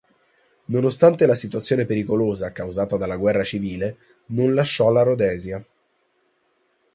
Nonostante la situazione pericolosa causata dalla guerra civile non lasciò la Rhodesia.